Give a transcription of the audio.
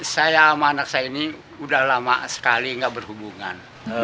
saya sama anak saya ini udah lama sekali gak berhubungan